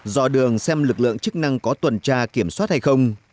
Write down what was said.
do đường xem lực lượng chức năng có tuần tra kiểm soát hay không